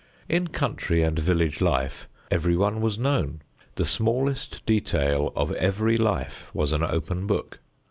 In country and village life everyone was known, the smallest detail of every life was an open book.